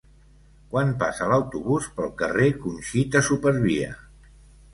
Quan passa l'autobús pel carrer Conxita Supervia?